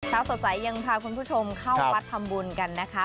เช้าสดใสยังพาคุณผู้ชมเข้าวัดทำบุญกันนะคะ